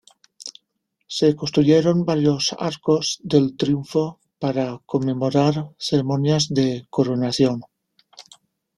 Se construyeron varios arcos del triunfo para conmemorar ceremonias de coronación.